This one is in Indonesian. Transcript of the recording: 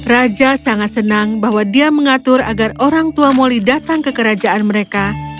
raja sangat senang bahwa dia mengatur agar orang tua moli datang ke kerajaan mereka